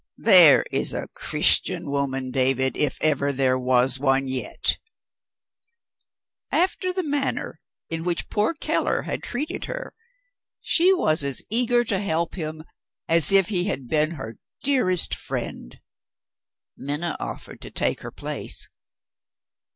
There is a Christian woman, David, if ever there was one yet! After the manner in which poor Keller had treated her, she was as eager to help him as if he had been her dearest friend. Minna offered to take her place.